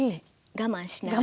我慢しながら。